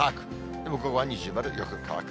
でも午後は二重丸、よく乾く。